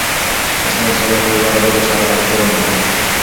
له ستونزو څخه د وتلو لاره دا ده چې هغه تر پښو لاندې کړئ.